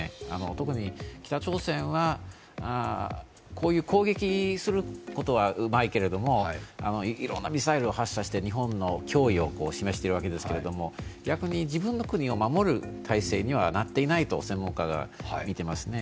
特に、北朝鮮はこういう攻撃することはうまいけれども、いろんなミサイルを発射して日本に脅威を示しているわけですけれども、逆に自分の国を守る体制にはなっていないと専門家はみていますね。